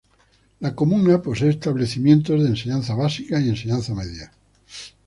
La comuna posee establecimientos de enseñanza básica y enseñanza media.